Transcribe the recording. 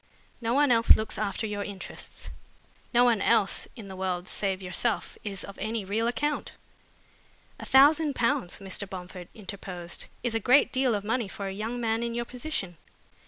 No one else looks after your interests. No one else in the world save yourself is of any real account." "A thousand pounds," Mr. Bomford interposed, "is a great deal of money for a young man in your position."